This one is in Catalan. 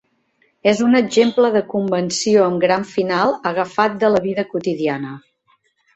És un exemple de convenció amb gran final agafat de la vida quotidiana.